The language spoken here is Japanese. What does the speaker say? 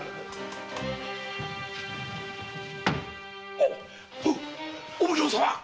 あっお奉行様！